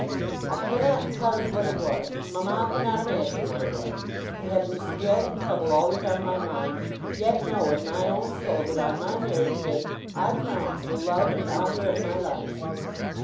I cannot tell you what it was mama cannot imagine what it was to have this dread and trouble always on my mind, yet know in my own soul that on my marriage day I crowned the love and honour of my life!